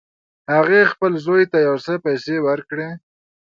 هغې خپل زوی ته یو څه پیسې ورکړې